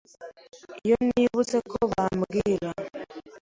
Iyo nibutse ko bambwira